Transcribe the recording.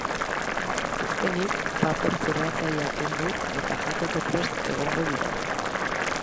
Azkenik, paper zurgatzailea kendu eta jateko prest egongo dira.